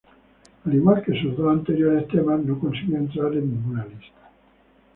Al igual que sus dos anteriores temas, no consiguió entrar en ninguna lista.